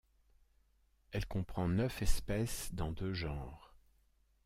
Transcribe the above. Elle comprend neuf espèces dans deux genres.